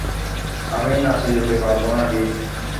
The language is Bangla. আমি নাচে যেতে পারবো না, রিফ!